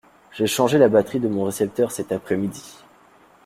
J'ai changé la batterie de mon récepteur cet après-midi.